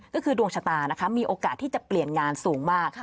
ก็คือดวงชะตานะคะมีโอกาสที่จะเปลี่ยนงานสูงมาก